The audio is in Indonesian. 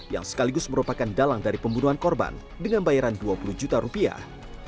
yang sekaligus merupakan dalang dari pembunuhan korban dengan bayaran dua puluh juta rupiah